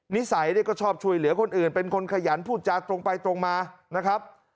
นิสัยก็ชอบช่วยเหลือคนอื่นเป็นคนขยันพูดจาตรงไปตรงมานะครับ